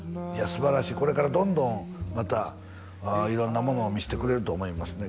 すばらしいこれからどんどんまた色んなものを見してくれると思いますね